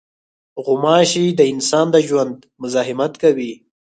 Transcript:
غوماشې د انسان د ژوند مزاحمت کوي.